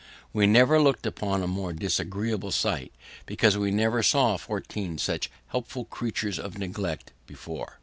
We never looked upon a more disagreeable sight, because we never saw fourteen such hopeless creatures of neglect, before.